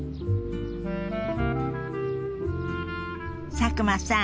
佐久間さん